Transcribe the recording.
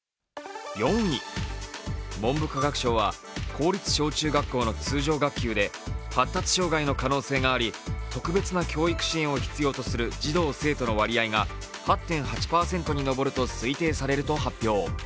文部科学省は公立小中学校の通常学級で発達障害の可能性があり、特別な教育支援を必要とする児童・生徒の割合が８．８％に上ると推定されると発表。